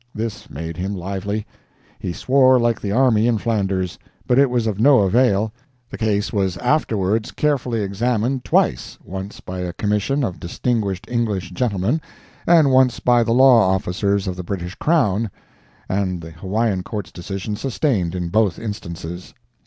This made him lively. He swore like the army in Flanders. But it was of no avail. The case was afterwards carefully examined twice—once by a Commission of distinguished English gentlemen and once by the law officers of the British Crown—and the Hawaiian Court's decision sustained in both instances.